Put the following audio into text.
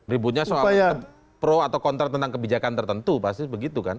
ributnya soal pro atau kontra tentang kebijakan tertentu pasti begitu kan